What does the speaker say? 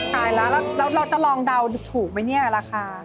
ตายแล้วแล้วเราจะลองเดาถูกไหมเนี่ยราคา